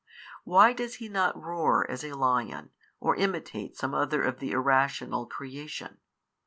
why does he not roar as a lion or imitate some other of the irrational creation?